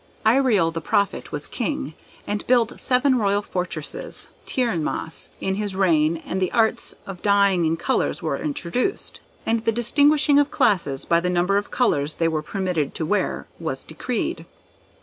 Irial the Prophet was King, and built seven royal fortresses; Tiern'mass; in his reign the arts of dyeing in colours were introduced; and the distinguishing of classes by the number of colours they were permitted to wear, was decreed.